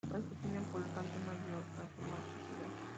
Por esto tienen por lo tanto una mayor aromaticidad.